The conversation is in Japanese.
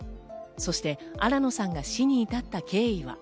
そして新野さんが死に至った経緯は。